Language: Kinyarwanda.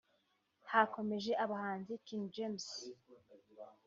Hakomeje abahanzi King James